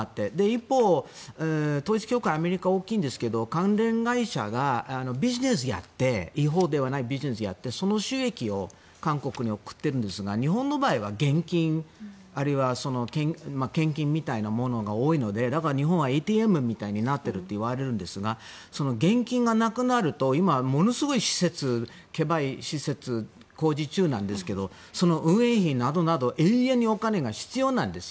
一方、統一教会アメリカは大きいんですが関連会社がビジネスをやって違法ではないビジネスをやってその収益を韓国に送ってるんですが日本の場合は現金あるいは献金みたいなものが多いので日本はＡＴＭみたいになっているといわれるんですがその現金がなくなると今ものすごい施設を工事中なんですがその運営費などで永遠にお金が必要なんです。